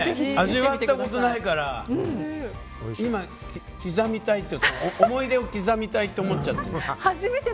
味わったことないから今、思い出を刻みたいと思っちゃって。